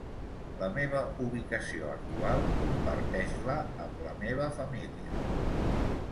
La meva ubicació actual, comparteix-la amb la meva família.